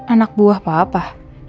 anak buah bapak